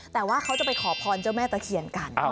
แต่ว่าเขาจะไปขอพรเจ้าแม่ตะเคียนกัน